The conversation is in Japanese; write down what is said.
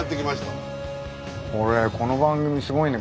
これこの番組すごいね。